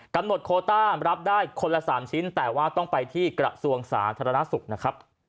กำหนดโควิด๑๙รับได้คนละ๓ชิ้นแต่ว่าต้องไปที่กระทรวงสาธารณสุข